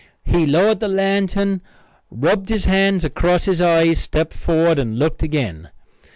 He lowered the lantern, rubbed his hands across his eyes, stepped forward and looked again.